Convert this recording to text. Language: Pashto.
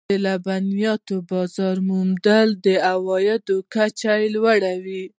د لبنیاتو بازار موندنه د عوایدو کچه لوړوي.